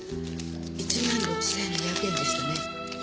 １万６，２００円でしたね。